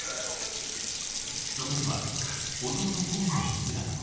そこには弟恒成の姿も。